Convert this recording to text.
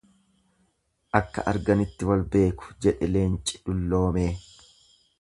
Akka arganitti wal beeku jedhe leenci dulloomee.